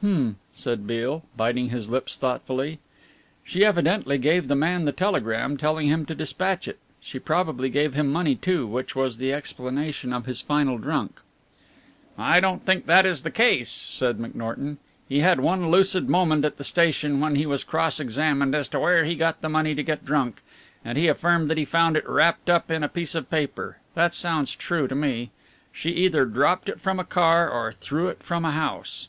"H'm," said Beale, biting his lips thoughtfully, "she evidently gave the man the telegram, telling him to dispatch it. She probably gave him money, too, which was the explanation of his final drunk." "I don't think that is the case," said McNorton, "he had one lucid moment at the station when he was cross examined as to where he got the money to get drunk, and he affirmed that he found it wrapped up in a piece of paper. That sounds true to me. She either dropped it from a car or threw it from a house."